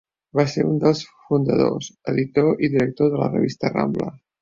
Va ser un dels fundadors, editor i director de la revista Rambla.